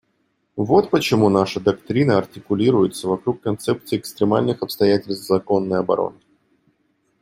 Вот почему наша доктрина артикулируется вокруг концепции экстремальных обстоятельств законной обороны.